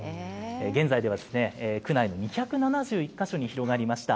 現在では区内の２７１か所に広がりました。